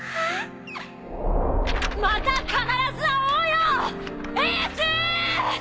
また必ず会おうよエース！